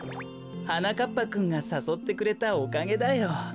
はなかっぱくんがさそってくれたおかげだよ。